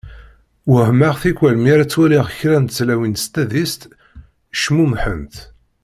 Wehmeɣ tikwal mi ara ttwaliɣ kra n tlawin s tadist cmumḥent.